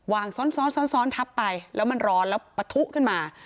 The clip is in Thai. ซ้อนซ้อนทับไปแล้วมันร้อนแล้วปะทุขึ้นมา